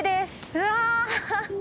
うわ！